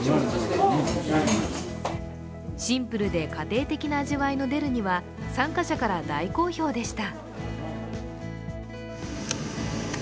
シンプルで家庭的な味わいのデルニは参加者から大好評でした。